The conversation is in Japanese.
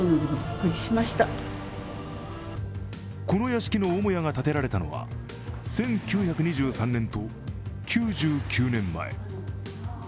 この屋敷の母屋が建てられたのは１９２３年と９９年前。